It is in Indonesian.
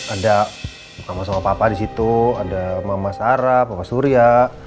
ada mama sama papa disitu ada mama sarah mama surya